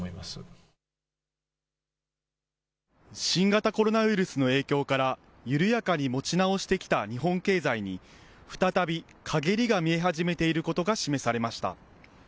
新型コロナウイルスの影響から緩やかに持ち直してきた日本経済に再び、かげりが見え始めていることが示されました。